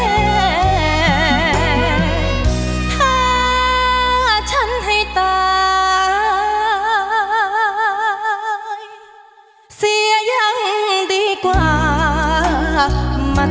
ถ้าฉันให้ตายเสียยังดีกว่ามาทรมาน